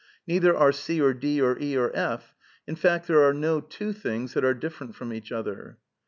Neither are C or D or E or F. In fact, there are no two things that are different from each other.